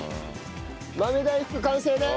豆大福完成です！